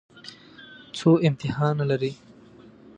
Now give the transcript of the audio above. څو امتحانه لرئ؟